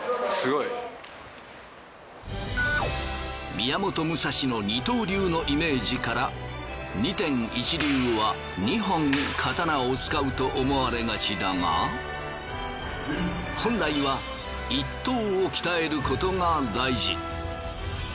宮本武蔵の二刀流のイメージから二天一流は二本刀を使うと思われがちだが本来は一刀を鍛えることが大事。